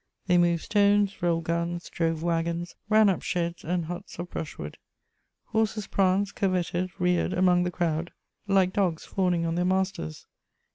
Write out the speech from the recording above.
They moved stones, rolled guns, drove waggons, ran up sheds and huts of brushwood. Horses pranced, curveted, reared among the crowd, like dogs fawning on their masters.